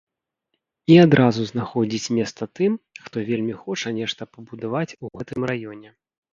І адразу знаходзіць месца тым, хто вельмі хоча нешта пабудаваць у гэтым раёне.